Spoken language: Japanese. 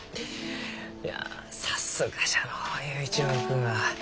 いやさすがじゃのう佑一郎君は。